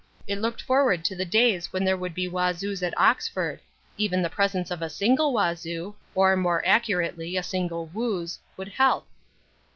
It looked forward to the days when there would be Wazoos at Oxford. Even the presence of a single Wazoo, or, more accurately, a single Wooz, would help.